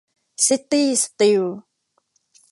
ซิตี้ สตีล